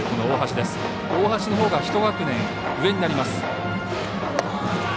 大橋のほうが１学年上になります。